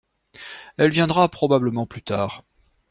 Elle viendra probablement plus tard.